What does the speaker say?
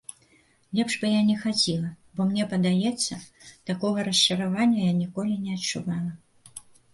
Лепш бы я не хадзіла, бо мне падаецца, такога расчаравання я ніколі не адчувала.